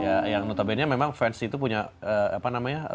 ya yang notabene memang fans itu punya apa namanya